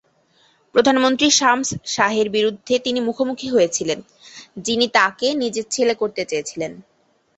প্রধানমন্ত্রী শামস শাহের বিরুদ্ধে তিনি মুখোমুখি হয়েছিলেন, যিনি তাঁকে নিজের ছেলে করতে চেয়েছিলেন।